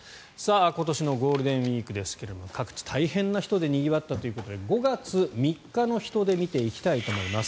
今年のゴールデンウィークですが各地、大変な人でにぎわったということで５月３日の人出見ていきたいと思います。